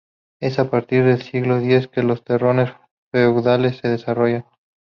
Es a partir del siglo X que los terrones feudales se desarrollan.